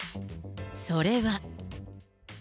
それは。